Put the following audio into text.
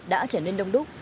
đã trở nên đông đúc